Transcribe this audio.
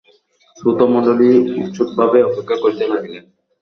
শ্রোতৃমণ্ডলী উৎসুকভাবে অপেক্ষা করিতে লাগিলেন।